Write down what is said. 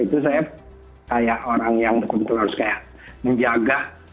itu saya kayak orang yang betul betul harus kayak menjaga